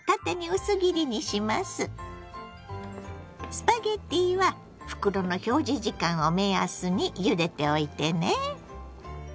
スパゲッティは袋の表示時間を目安にゆでておいてね。